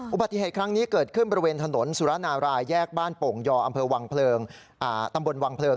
อุบัติภัยครั้งนี้เกิดขึ้นบริเวณถนนสุรณารายย์แยกบ้านโป่งยออำเภอวังเพลิง